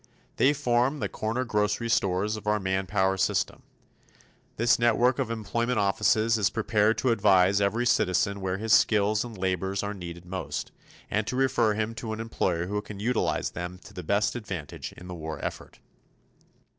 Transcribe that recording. They form the corner grocery stores of our manpower system. This network of employment offices is prepared to advise every citizen where his skills and labors are needed most, and to refer him to an employer who can utilize them to best advantage in the war effort.